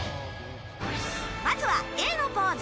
まずは、Ａのポーズ。